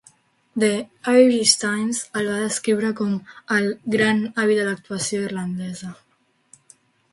"The Irish Times" el va descriure com el "gran avi de l'actuació irlandesa".